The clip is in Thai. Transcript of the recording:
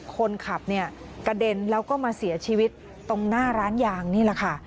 คนขับเนี่ยกระเด็นแล้วก็มาเสียชีวิตตรงหน้าร้านยางนี่แหละค่ะ